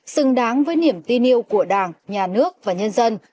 xứng đáng với niềm tin yêu của đảng nhà nước và nhân dân